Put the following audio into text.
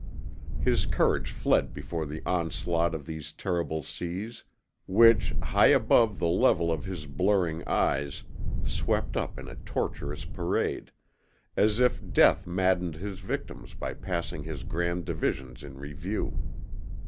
His courage fled before the onslaught of these terrible seas which, high above the level of his blurring eyes, swept up in a torturous parade, as if Death maddened his victims by passing his grand divisions in review.